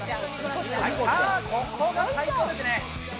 ここが最高ですね。